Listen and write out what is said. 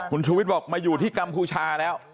คุณชูวิทย์บอกมาอยู่ที่กัมพูชาแล้ว